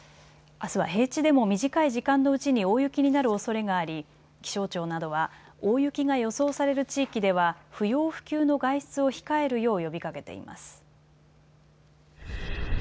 あすは平地でも短い時間のうちに大雪になるおそれがあり気象庁などは大雪が予想される地域では不要不急の外出を控えるよう呼びかけています。